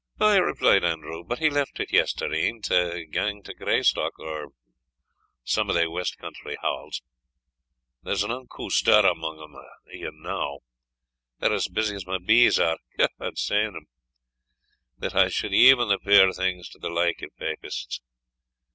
"Ay," replied Andrew; "but he left it yestreen, to gang to Greystock, or some o' thae west country haulds. There's an unco stir among them a' e'enow. They are as busy as my bees are God sain them! that I suld even the puir things to the like o' papists.